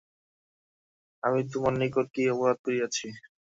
আমি তোমার নিকট কী অপরাধ করিয়াছি?